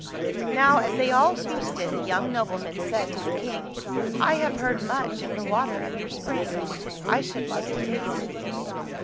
Now as they all feasted, the young noble man said to the King, " I have heard much of the water of your spring. I should like to taste it."